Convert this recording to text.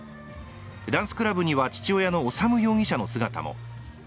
ダンスクラブには父親の修容疑者の姿も。